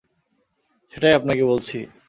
সেটাই আপনাকে বলছি!